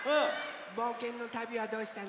ぼうけんのたびはどうしたの？